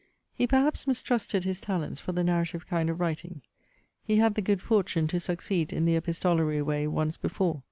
He perhaps mistrusted his talents for the narrative kind of writing. He had the good fortune to succeed in the epistolary way once before.